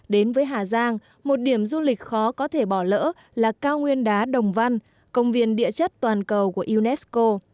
đến với hà giang một điểm du lịch khó có thể bỏ lỡ là cao nguyên đá đồng văn công viên địa chất toàn cầu của unesco